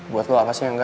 buat lo apa sih engga